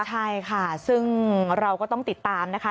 ใช่ค่ะซึ่งเราก็ต้องติดตามนะคะ